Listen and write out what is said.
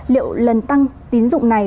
liệu lần tăng tính dụng này